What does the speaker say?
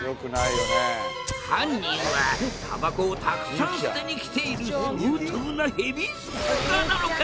犯人はたばこをたくさん捨てに来ている相当なヘビースモーカーなのか？